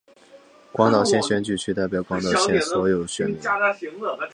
广岛县选举区代表广岛县的所有选民。